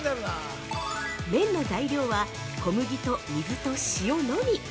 ◆麺の材料は、小麦と水と塩のみ。